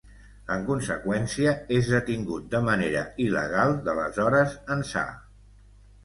En conseqüència, és detingut de manera il·legal d’aleshores ençà.